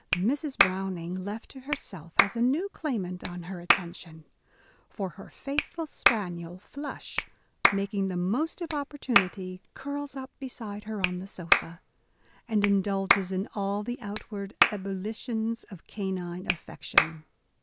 Mrs. Browning, left to herself, has a new claimant on her attention : for her faithful spaniel Flush, making the most of opportunity, curls up beside her on the sofa, and indulges in all the outward ebullitions of canine affection.